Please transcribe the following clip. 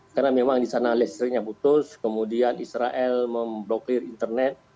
karena memang di sana listriknya putus kemudian israel memblokir internet